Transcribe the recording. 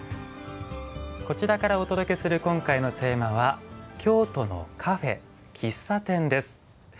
こちらからお届けする今回のテーマは「京都のカフェ・喫茶店」です。